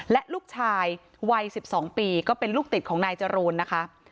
และลูกชายวัย๑๒ปีก็เป็นลูกติดของนายจรูนนะคะ